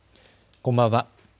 こんばんは。